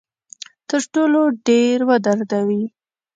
تر ټولو ډیر ودردوي.